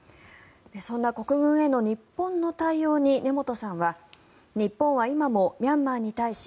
そんな国軍への日本の対応に根本さんは日本は今もミャンマーに対し